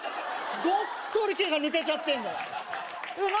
ごっそり「け」が抜けちゃってんの何？